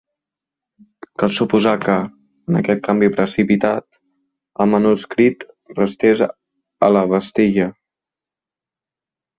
Cal suposar que, en aquest canvi precipitat, el manuscrit restés a La Bastilla.